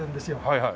はいはい。